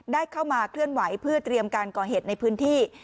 ได้เข้ามาเคลื่อนไหวเพื่อเตรียมการก่อเหตุในพื้นที่